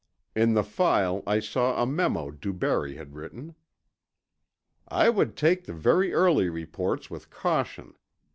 In the file, I saw a memo DuBarry had written: "I would take the very early reports with caution.